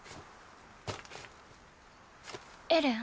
エレン？